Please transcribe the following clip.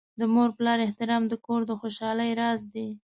د مور پلار احترام د کور د خوشحالۍ راز دی.